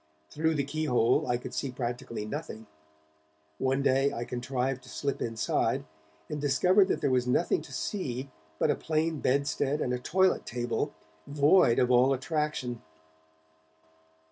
Through the key hole I could see practically nothing; one day I contrived to slip inside, and discovered that there was nothing to see but a plain bedstead and a toilet table, void of all attraction.